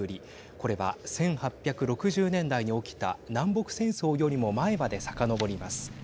これは１８６０年代に起きた南北戦争よりも前までさかのぼります。